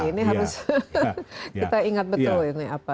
ini harus kita ingat betul ini